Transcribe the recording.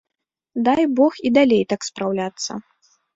Дай бог і далей так спраўляцца!